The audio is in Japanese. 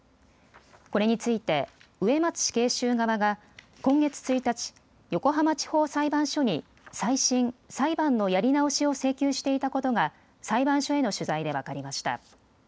これについて植松死刑囚側が今月１日、横浜地方裁判所に再審・裁判のやり直しを請求していたことが裁判所への取材で分かりました。